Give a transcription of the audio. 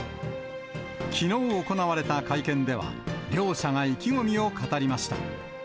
きのう行われた会見では、両者が意気込みを語りました。